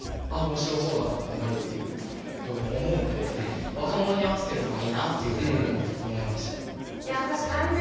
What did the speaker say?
面白そうだなとかなるっていうと思うので若者に合わせてるのがいいなっていうのは思いましたね。